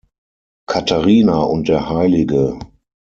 Katharina und der Hl.